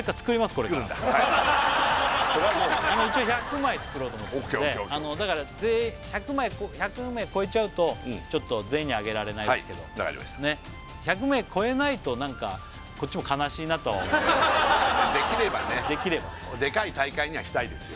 これから今一応１００枚作ろうと思ってるのでだから１００名超えちゃうとちょっと全員にあげられないですけど１００名超えないと何かこっちも悲しいなとは思うできればねでかい大会にはしたいですよね